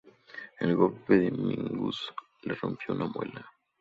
El golpe de Mingus le rompió una muela.